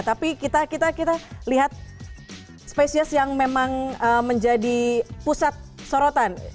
tapi kita lihat spesies yang memang menjadi pusat sorotan